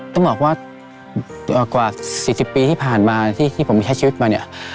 ต้องบอกว่ากว่า๔๐ปีที่ผ่านมาที่ผมใช้ชีวิตมาเนี่ย